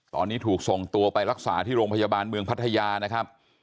ตอนนี้ถูกส่งตัวไปรักษาที่โรงพยาบาลเมืองพัทยานะครับ